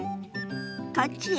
こっちよ。